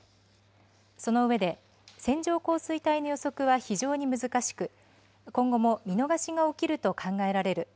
その上で、線状降水帯の予測は非常に難しく、今後も見逃しが起きると考えられる。